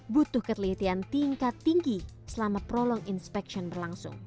butuh ketelitian tingkat tinggi selama prolong inspection berlangsung